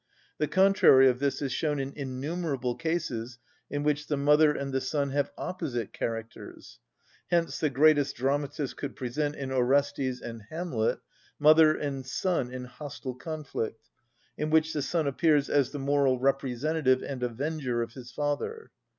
The contrary of this is shown in innumerable cases in which the mother and the son have opposite characters. Hence the greatest dramatists could present, in Orestes and Hamlet, mother and son in hostile conflict, in which the son appears as the moral representative and avenger of his father.